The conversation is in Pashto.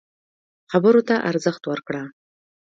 خبرو ته ارزښت ورکړه.